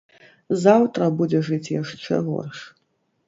Заўтра будзе жыць яшчэ горш.